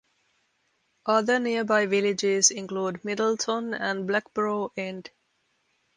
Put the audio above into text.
Other nearby villages include Middleton and Blackborough End.